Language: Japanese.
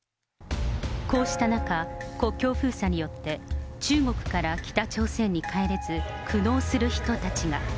こうした中、国境封鎖によって中国から北朝鮮に帰れず、苦悩する人たちが。